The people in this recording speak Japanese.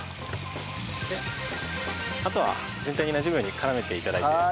あとは全体になじむように絡めて頂いて。